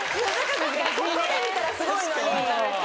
ここで見たらすごいのに。